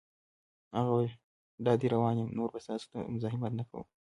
هغه وویل: دادی روان یم، نور به ستاسو ته مزاحمت نه کوم.